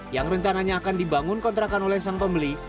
yang rencananya akan dibangun kontrakan oleh sang pembeli